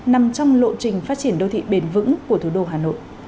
nằm trong lộ trình phát triển đô thị bền vững của thủ đô hà nội